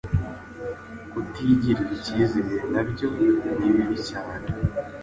Kutigirira icyizere nabyo nibibi cyane